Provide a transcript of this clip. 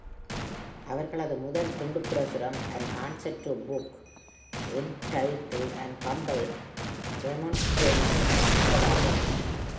அவர்களது முதல் துண்டுப்பிரசுரம், An Answer to a booke entituled, An Humble Remonstrance என்பதாகும்.